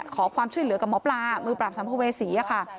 ขอความช่วยเหลือกับหมอปลามือปราบสัมภเวษีค่ะ